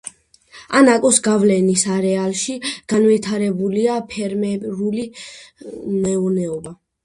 ანაკოს გავლენის არეალში განვითარებულია ფერმერული მეურნეობა.